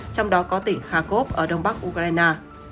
trong đó có tỉnh kharkov ở đông bắc ukraine